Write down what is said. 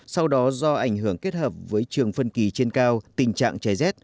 sau đó do ảnh hưởng kết hợp với trường phân kỳ trên cao tình trạng cháy rét